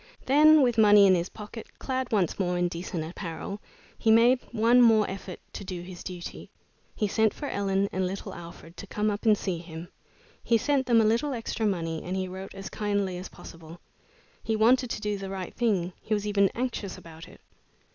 Then, with money in his pocket, clad once more in decent apparel, he made one more effort to do his duty. He sent for Ellen and little Alfred to come up and see him. He sent them a little extra money, and he wrote as kindly as possible. He wanted to do the right thing; he was even anxious about it.